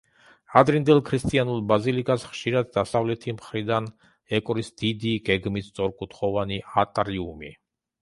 ადრინდელ ქრისტიანულ ბაზილიკას ხშირად დასავლეთი მხრიდან ეკვრის დიდი, გეგმით სწორკუთხოვანი ატრიუმი.